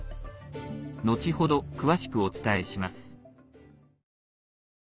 後ほど、詳しくお伝えします。